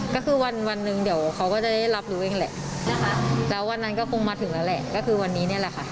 ก็คือวันวันหนึ่งเดี๋ยวเขาก็จะได้รับรู้เองแหละนะคะแล้ววันนั้นก็คงมาถึงแล้วแหละก็คือวันนี้เนี่ยแหละค่ะ